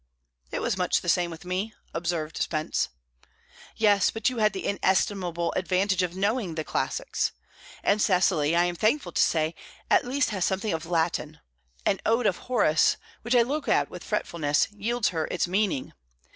"It was much the same with me," observed Spence. "Yes, but you had the inestimable advantage of knowing the classics. And Cecily, I am thankful to say, at least has something of Latin; an ode of Horace, which I look at with fretfulness, yields her its meaning.